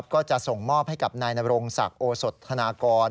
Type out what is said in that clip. ก็จะส่งมอบให้กับนายนรงศักดิ์โอสดธนากร